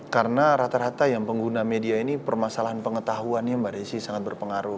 karena rata rata yang pengguna media ini permasalahan pengetahuannya mbak desi sangat berpengaruh